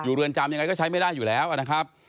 เรือนจำยังไงก็ใช้ไม่ได้อยู่แล้วนะครับ